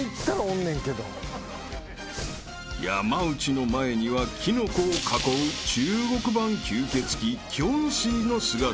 ［山内の前にはキノコを囲う中国版吸血鬼キョンシーの姿が］